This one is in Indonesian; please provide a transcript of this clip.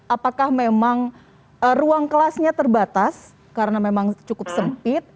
apakah memang ruang kelasnya terbatas karena memang cukup sempit